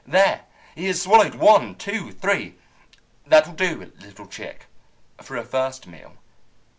There! He has swallowed one, two, three. That will do, little chick, for a first meal.